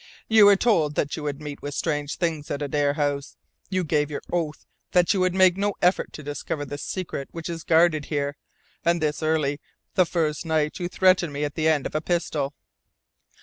You were told that you would meet with strange things at Adare House. You gave your oath that you would make no effort to discover the secret which is guarded here. And this early, the first night, you threaten me at the end of a pistol!"